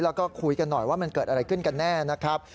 แล้วก็คุยกันหน่อยว่ามันเกิดอะไรขึ้นกันแน่นะครับ